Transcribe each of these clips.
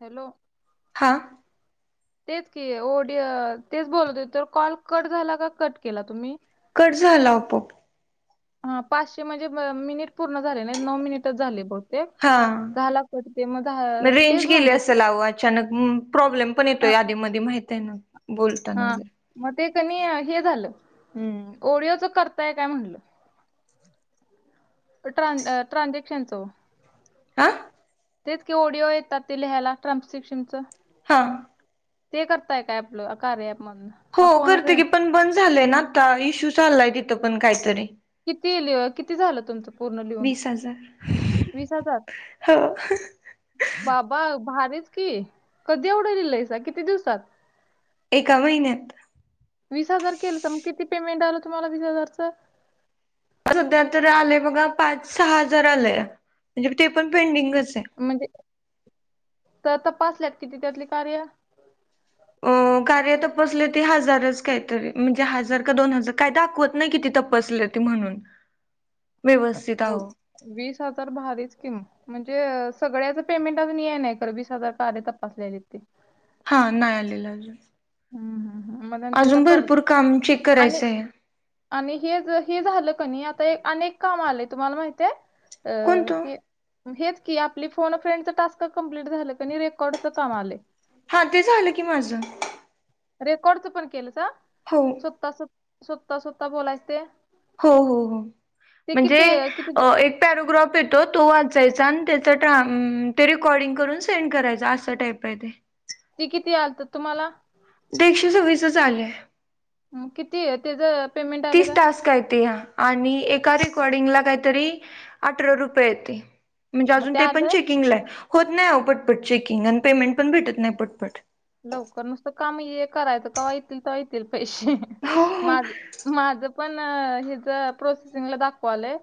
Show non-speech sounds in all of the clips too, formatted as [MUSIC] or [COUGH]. Hello. हां. [INAUDIBLE] तेच कि ओडीओ तेच बोलत होते तर कॉल कट झाला का कट केला तुम्ही? कट झाला आपो आप. हा पाचशे म्हणजे म मिनिट पूर्ण झाले नाही नऊ मिनिटच झाले ब. ते हा झाला कट ते म झा रेंज तेच गेली म्हणत होते. असेल अहो अचानक म प्रॉब्लेम पण हा येतोय आदीमध्ये माहित आहे ना बोलताना हा. वगैरे. मग ते क नी हे झालं ओडिओचा करताय काय म्हणलं? ट्रां ट्रांझेक्शनच हो. हां. तेच की ओडिओ येतात ते लिहायला ट्रान्स्क्रिपशनचं. हां ते करताय काय आपलं कार्य ऐप मधनं? हो करते की पण बंद झालंय ना आता इशू चाललाय तिथं पण काहीतरी किती लिव किती झालं तुमचं पूर्ण लिहून वीस हजार वीस हजार? हो बाबा भारीच की कधी एवढं लिहिलेसं किती दिवसात? एका महिन्यात वीस हजार केलंस म किती पेमेंट आलं तुम्हाला वीस हजारचं? सध्या तर आलेय बघा पाच सहा हजार आलेय म्हणजे ते पण पेंडिंगच आहे. म्हणजे तर तपासल्यात किती त्यातली कार्य? अ कार्य तपासले ते हजारच काहीतरी म्हणजे हजार का दोन हजार काय दाखवत नाही किती तपासलेत. ते म्हणून व्यवस्थित मो अहो वीस हजार भारीच किम म्हणजे अ सगळ्याचा पेमेंट अजून ये नाही कर वीस हजार कार्य आहे तपासलेली ते. हा नाय आलेला आहे अजून. हम्म हम्म. हम्म. मग आणि त्याचा अजून प्रॉब्लेम भरपूर काम चेक आणि करायचं आहे. आणि हे ज हे झालं क नी आता आणि एक कामं आलेय तुम्हाला माहितय अ कोणतं? हे हेच की आपली फोन अ फ्रेंडच टास्क कंप्लीट झालं क नी रेकॉर्डच काम आले. हा ते झालं की माझं. रेकॉर्डचं पण केलं चा. हो. सुत्ता सुत सुत्ता सुत्ता बोलाय ते. हो हो हो ते म्हणजे किती किती अ एक पॅरोग्राफ येतो तो वाचायचा आणि त्याचा ट्रा अम ते रेकॉर्डिंग करून सेंड करायचा असं टाईप आहे ते. ते किती आलता तुम्हाला? दे एकशे सव्वीसच आलय. हम्म किती तेज्या पेमेंट आलं का? असं काही ते हा आणि एका रेकॉर्डिंगला काहीतरी अठरा रुपये येते. म्हणजे मग अजून ते पण आलं चेकिंगला आहे होत नाही ओ पटपट चेकिंग आणि पेमेंट पण भेटत नाही पटपट. लवकर नुसतं काम ये करायचं कव्हा येतील तव्हा येतील पैशे हो हो. माझं माझं पण हेजा प्रोसेसिंगला दाखवालय.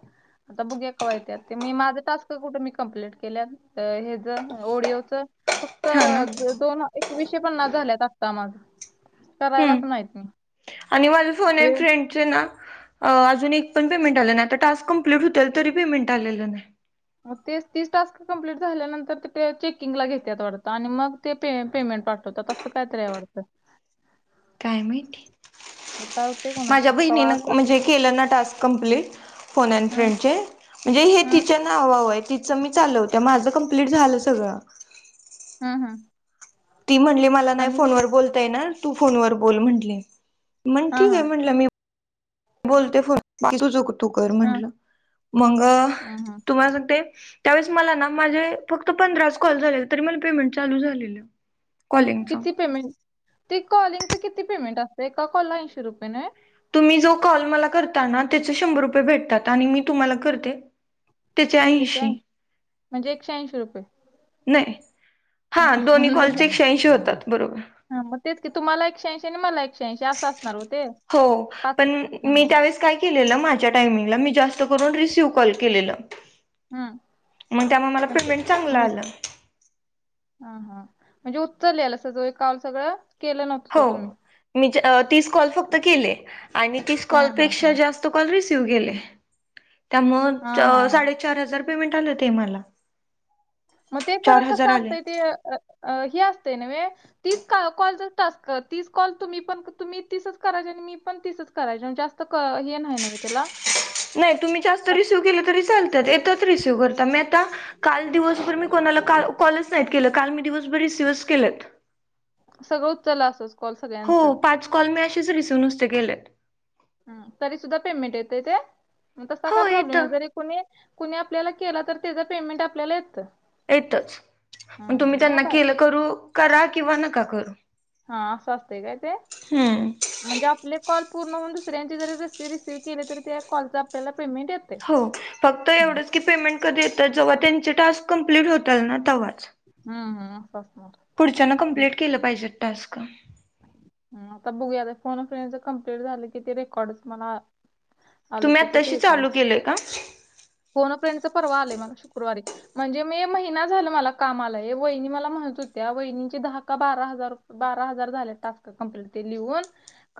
आता बघूया कव्हा येते आते मी माझं टास्क कुठे मी कंप्लीट केले अजून अ हे जा ओडिओचा फक्त हा ना. दो दोन एकविशे पन्नास झाल्यात आत्ता मा हम्म आणि माझं फोन एंड वेळ फ्रेंड चे ना अ अजून एक पण पेमेन्ट आलं नाही आता टास्क कंप्लिट होतोय तरी पेमेन्ट आलेलं नाही. म तेच तीस टास्क कंप्लीट झाल्यानंतर ते चेकिंगला घेते आत वाटतं आणि मग ते पे पेमेंट पाठवतात असं काय तरी आहे वाटतं. काय माहिती मग काय होतंय कोणास माझ्या ठाऊक कवा बहिणीनं आता म्हणजे केलं ना टास्क कंप्लीट, फोन अँड हं, फ्रेंडचे. म्हणजे हे हं, तिच्या नाववं आहे, तिचं मी चालवत्या, माझं कंप्लीट झालं सगळं. हं हं. ती म्हटली मला नाही आणि फोनवर बोलता येणार, तू फोनवर बोल म्हटली. मण हां, ठीक हाय हां, म्हटलं मी बोलते फोन [UNINTELLIGIBLE] तू कर हं, म्हंटलं. मग हं, हं. तुम्हाला सांगते त्यावेळेस मला ना माझे फक्त पंधराच कॉल झालेले, तरी मला पेमेंट चालू झालेलं. कॉलिंगचं. किती पेमेंट ते कॉलिंगच किती पेमेंट असतंय, एका कॉलला ऐंशी रुपये नव्हे? तुम्ही जो कॉल मला करता ना, त्याच शंभर रुपये भेटतात आणि मी तुम्हाला करते त्याचे ऐंशी, म्हणजे एकशे ऐंशी रुपये. नाही हा दोन्ही कॉलचे एकशे ऐंशी होतात बरोबर. हा मग तेच की, तुम्हाला एकशे ऐंशी आणि मला एकशे ऐंशी असं असणार हो ते. हो, पाच पण मी हां, त्यावेळेस काय केलेलं माझ्या टामिंगला, मी जास्त करून रिसीव्ह कॉल केलेलं. हं मग त्यामुळे मला म्हणजे पेमेंट चांगलं मज आलं हा हा म्हणजे उचललेला सज काल सगळं, केलं नव्हतंसा हो तुम्ही. मी तीस कॉल फक्त केले आणि तीस हा हा हा कॉलपेक्षा जास्त कॉल रिसीव्ह केले. त्यामुळं हा च हा हा साडेचार हजार पेमेंट आलं ते मला. मग ते चार खरं हजार कसं आले असतंय, ते हे असतंय नव्हे. तीस कॉलचाच टास्क, तीस कॉल तुम्हीपण तुम्ही तीसच करायचे आणि मी मीपण तीसच करायची, आणि जास्त हे नाही ना त्याला? नाही तुम्ही जास्त आप- रिसिव्ह केलं तरी चालतात, येतच रिसिव्ह करता. म्या का काल दिवसभर मी कोणाला कॉलच नाही केलेत, काल दिवसभर मी रिसीवच केलेत. सगळं उचललं असंच कॉल सगळ्यांचं. हो पाच कॉल मी असेच रिसीव नुसते केलेत. तरी सुद्धा पेमेंट येतय ते? म तसा काय हो येत प्रॉब्लेम आहे. जरी कुणी कुणी आपल्याला केला, तर त्याज पेमेंट आपल्याला येतं. येतच. हम्म, मग तुम्ही हम्म, त्यांना बरं. केलं करू करा किंवा नका करू. हा असं असतंय काय ते? हम्म. म्हणजे आपले कॉल पूर्ण होऊन, दुसऱ्यांचे जरी नस्ते रिसीव्ह केले. तरी त्या कॉलच आपल्याला पेमेंट येतंय. हो फक्त एवढंच की, पेमेंट कधी येतं? जेव्हा त्यांचे टास्क कंप्लीट होतात ना, तवाच. हा हा असा असणार. पुढच्यान कंप्लीट केलं पाहिजेत टास्क. आता बघूया, आता फोन अ फ्रेंडचे कम्प्लीट झालं की, ते रेकॉर्डचे म्हणा तुम्ही आताशी चालू केलंय का? फोन अ फ्रेंडचं पर्वा आलंय मला शुक्रवारी. म्हणजे मे महिना झालं मला काम आलंय. हे वहिनी मला म्हणत हुत्या वहिनींची दहा का बारा हजार बारा हजार झाल्यात टास्क कम्प्लीट ते लिहून.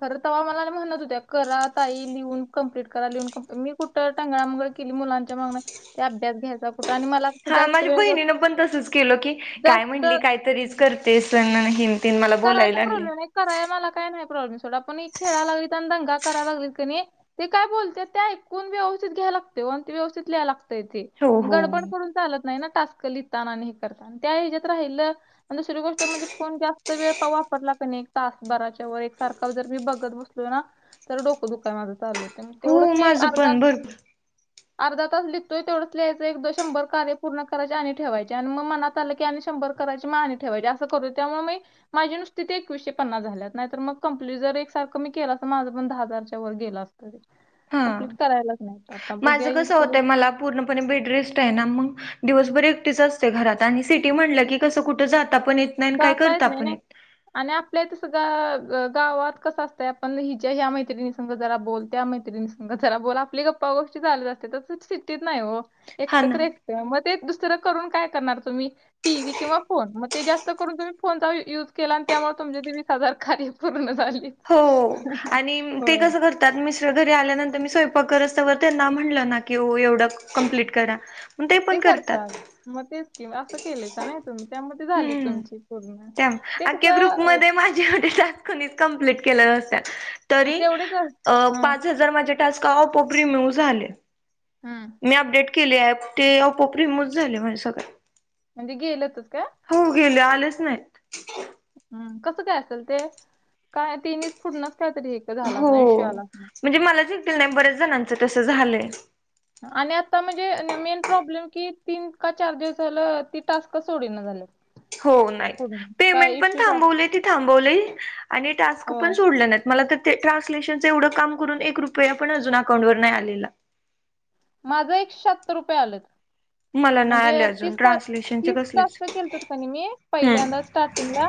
खरं तवा मला म्हणत हुत्या, करा ताई लिहून कम्प्लीट करा. लिहून कंप मी कुठ टांंगळा मंगळ केली. मुलांच्या मागनं ते अभ्यास घ्यायचा कुठं आणि मला असं हा जास्त माझ्या वेळ बहिणीनं पण तसंच केलं की, काय जास्त म्हणली काहीतरीच करतेस आन हेन तेन मला करायचा बोलायला लागले प्रॉब्लेम नाही. कराय मला काय नाय प्रॉब्लेम सोडा. पण खेळाला लागलीत आणि दंगा कराय लागलीत का नाही ते काय बोलत्यात ते ऐकून व्यवस्थित घ्यायला लागतंय ओ आणि ते व्यवस्थित लिहाय लागतंय. हो हो गडबड करून चालत नाही ना टास्क लिहताना आणि हे करताना. त्या हेज्यात राहिलं, आणि दुसरी गोष्ट म्हणजे फोन जास्त वेळपा वापरला का नाही, एक तास भराच्या वर एकसारखा जर मी बघत बसलोय ना तर डोकं दुखाय माझं चालू होतंय, हो तेवढंच मी एक माझं अर्धा पण भरपूर अर्धा तास लिहतेय तेवढच लिहायचं. एकदा शंभर कार्य पूर्ण करायचे आणि ठेवायचे आणि मग मनात झालं की शंभर करायची मग आणि ठेवायची, असं करू त्यामुळे मी माझी नुसती ते एकवीसशे पन्नास झाल्यात. नाहीतर मग कम्प्लीट जर एकसारखं मी केलं असतं, माझपण दहा हजार तवर गेलं असतं. हा कंप्लीट करायला लागणार. माझं कसं होतंय मला पूर्णपणे बेड रेस्ट आहे ना मग. दिवसभर एकटीच असते घरात आणि सिटी म्हटलं की कसं कुठं जाता पण येत नाही काय जाता करता नाही पण ना. येत नाय. आणि आपल्या त सग गावात कसं असतंय आपण हि ज्या ह्या मैत्रिणी सग जरा बोल त्या मैत्रिणीसं जरा बोलला आपली गप्पा गोष्टी झालेत असते तस सिट्टीत नाही हो नाही. हा एकटं ना तर एकट मग ते दुसरं करून काय करणार तुम्ही टी व्ही किंवा फोन मग ते जास्त कर तुम्ही फोनचा युज केला आणि त्यामुळे तुम ते वीस हजार कार्य पूर्ण झाले. हो आणि ते कसं कर मि घरी आल्यानंतर मी स्वयपाक रस्तवर त्यांना म्हटलं ना की एवढं कंप्लीट करा ते करतात मग तेच के असं केले का नाय तुमच्या मध्ये झाली हम्म तुमची पूर्ण ते कस कोणीतरी कंप्लेंट केला होता तरी तेवढेच अस- हं पाच हजार माझे टास्क आपोआप रिमूव्ह झाले. हम्म. मी अपडेट केले ॲप ते रिमूव्ह झाले माझ सगळ म्हणजे गेल्यातच काय? हो गेले आलेच नाहीत. हम्म कसं काय असेल ते काय तिनेच पुढनच कायतरी एक झाला अस ना इषू हो आला अस ना म्हणजे मला देखील नाही बऱ्याच जणांचं तसं झालंय. आणि आता म्हणजे मेन प्रॉब्लेम कि तीन का चार दिवस झालं ती टास्क सोडीना झाल्यात. हो नाही पूर्ण काय पेमेंट पण इश्यूच थांबवले ती थांबवले आणि टास्क पण होय सोडलं नाही मला त ते ट्रान्सलेशनचं एवढं काम करून एक रुपया पण अजून अकाउंटवर नाही आलेला. माझं एकशातत्तर रुपये आलं. मला नाही आले म्हणजे अजून तीस का ट्रान्सलेशनचे तीस कसलेच. टास्क केलतत का नी मी हम्म पहिल्यांदाच स्टार्टिंगला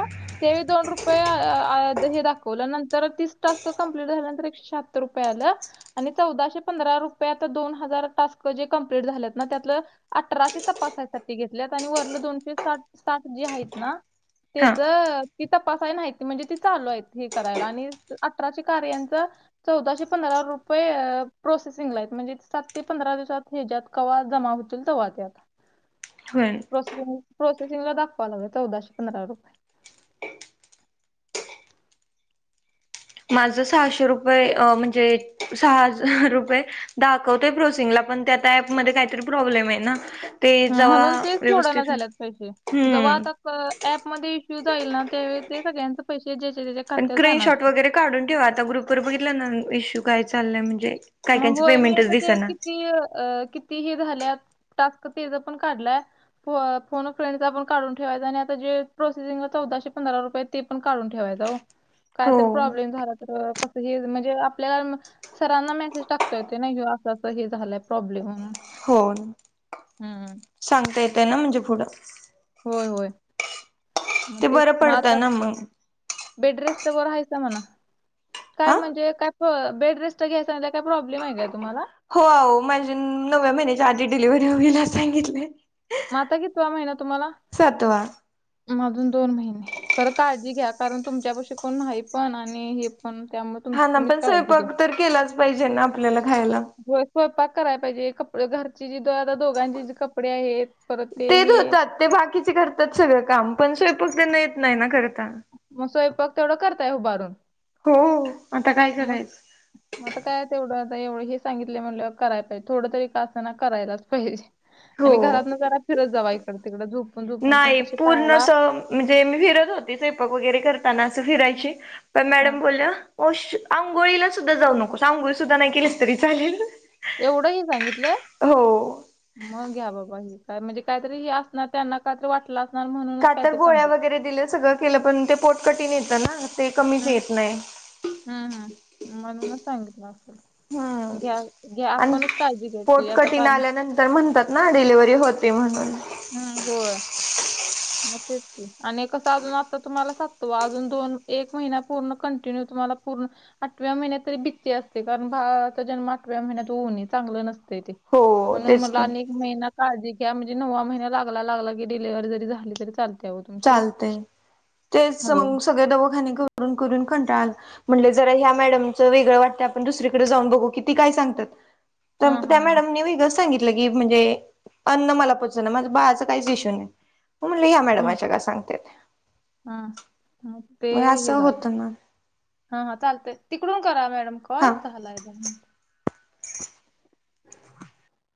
दोन रुपये आ ज व हे दाखव ल्यानंतर तीस टास्क कंप्लीट झाल्यानंतर एकशहातत्तर रुपये आलं आणि चौदाशे पंधरा रुपयात दोन हजार टास्क जे कंप्लीट झालेत ना त्यातलं अठराशे तपासायसाठी घेतलेत आणि वरलं दोनशे साठ साठ जे आहेत ना. हा तेज ती तपासाय नाहीती म्हणजे ती चालू आहेत हे करायला आणि अठराची कार्यांचं. चौदाशे पंधरा रुपये प्रोसेसिंगला आहेत म्हणजे सात ते पंधरा दिवसात हच्यात कवा जमा हो तुलता वा त्यातलं. होय प्रोसेसिंग प्रोसेसिंग ला दाखवा लागल चौदाशे पंधरा रुपये माझं सहाशे रुपये म्हणजे सहा हजार रुपये दाखवतोय प्रोसिंगला पण त्या ॲपमध्ये काहीतरी प्रॉब्लेम आहे ना ते हं, जव म्हणून ते सोडाना व्यवस्थित झाल्यात पैसे जेव्हा हम्म आता ऍप मध्ये इश्यू जाईल ना त्यावेळी ते सगळ्यांचे पैसे ज्याचे तेच्या पण स्क्रीनशॉट वगैरे काढून ठेवा आता ग्रुप वर बघितलं ना इश्यू काय चाललाय म्हणजे काय मग कायचं होय मी पेमेंटच आता ते दिसेना किती कि ती हे झाल्यात टास्क तेजा पण काढलाय होय फोन अ फ्रेंडचा पण काढून ठेवायचा आणि आता जे प्रोसेसिंगला चौदाशे पंधरा रुपये आहेत. ते पण काढून ठेवायचं हो काय हो तर प्रॉब्लेम झाला तर कस हे म्हणजे आपल्या सरांना मेस गेच टाकता येतोय नाही का असं असं हे झालाय प्रॉब्लेम म्हणून? हो ना हम्म सांगता येतय ना म्हणजे पुढं होय होय मग ते बरं म आता पडतं ना मग बेडरेस्ट तर बरयचा म्हणा काय हा म्हणजे काय हो बेड रेस्ट घ्यायचा म्हणजे काय प्रॉब्लेम आहे काय तुम्हाला? हो माझ्या नव्या महिन्याच्या आधी डिलिव्हरी होईल सांगितलंय. मग आता कितवा महिना तुम्हाला सातवा अजून दोन महिने. खरं काळजी घ्या कारण तुमच्यापशी कोण नाही पण आणि हे पण त्या. हा ना पण स्वयंपाक तर केलाच पाहिजे ना आपल्याला खायला. होय स्वयंपाक कराय पाहिजे कपडे घरची जी द आता दोघांचे जे कपडे आहेत. परत ते तेच हे धुतात ते बाकीचे करतात सगळं काम पण स्वयंपाक त्यांना येत नाही ना करता. मग स्वयंपाक तेवढं करताय उभारून. हो हो आता काय करायचं? ह. आता काय तेवढं आता एवढं हे सांगितले म्हणलं कराय पाहिजे थोड तरी का असंना करायलाच पाहिजे. आणि हो. घरात न जरा फिरत जावा इकडं तिकडं झोप. नाही पूर्णस. म्हणजे मी फिरत होती स्वैपक वगैरे करताना असं फिरायची पण हा मॅडम बोलल्या. औष आंघोळीला सुद्धा जाऊ नकोस आंघोळी सुद्धा नाही केलीस तरी चालेल. एवढं ही सांगितलंय. हो मग घ्या बाबा ह का म्हणजे कायतरी हे असणार त्यांना कायतरी वाटलं. असणार म्हणूनच कातर काहीतरी गोळ्या सांगितलं वगैरे दिलं सगळं केलं पण ते पोट कठीण येतं ना. ते कमीच येत नाही. हा हा म्हणून सांगितलं असेल. हम्म घ्या घ्या आपणच काळजी घ्यायची आता कारण. तर म्हणतात ना डिलिव्हरी होती म्हणून. हम्म हो. मग तेच ते आणि कसं अजून आता तुम्हाला सातवा अजून दोन एक महिना पूर्ण कंटिन्यू तुम्हाला पूर्ण. आठव्या महिन्यात तरी भिती असते कारण भावाचा जन्म आठव्या महिन्यात होऊन चांगलं नसते ते. हो म्हणून तेच म की. अनेक महिना काणंळजी घ्या म्हणजे नववा महिना लागला लागला की डिलेव्हरी जरी झाली. झाली तरी चाल चालते तेच हो मग सगळे दवाखाने करून करून कंटाळा. म्हणले जरा ह्या मॅडमचं वेगळं वाटतं आपण दुसरीकडे जाऊन बघू ती काय सांगतात. हां त्या हां हां मॅडम नी व सांगितल की म्हणजे, अन्न मला पचना माझ्या बाळा काहीच इशू नाहीमग म्हट ह्या मॅड का सांगते. हा मग ते हे असं झालं. होतं ना हा हा चालतय तिकडून करा मॅडम कॉल हा झालाय दहा मिनिट. [INAUDIBLE]